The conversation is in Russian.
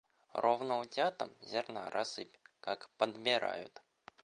Ровно утятам зерна рассыпь, как подбирают!